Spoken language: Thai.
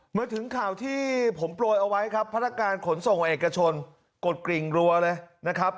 เมื่อถึงข่าวที่ผมโปรยเอาไว้ครับพนักการขนส่งเอกชนกดกริ่งรัวเลยนะครับ